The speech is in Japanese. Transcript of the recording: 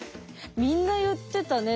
みんな言ってたね。